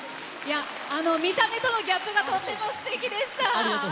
見た目とのギャップがとっても、すてきでした。